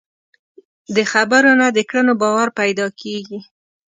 د خبرو نه، د کړنو باور پیدا کېږي.